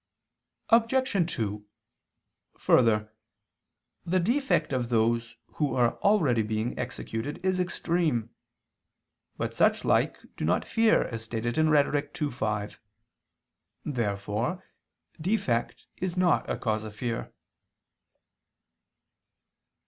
Obj. 2: Further, the defect of those who are already being executed is extreme. But such like do not fear as stated in Rhet. ii, 5. Therefore defect is not a cause of fear.